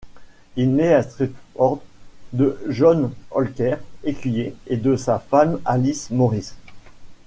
Il naît à Stretford de John Holker, écuyer, et de sa femme Alice Morris.